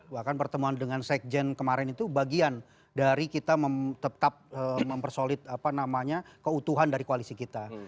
bahkan pertemuan dengan sekjen kemarin itu bagian dari kita tetap mempersolid keutuhan dari koalisi kita